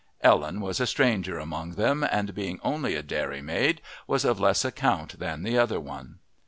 Ellen was a stranger among them, and being only a dairymaid was of less account than the other one.